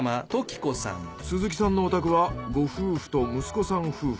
鈴木さんのお宅はご夫婦と息子さん夫婦。